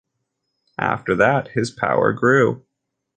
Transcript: After that his power grew.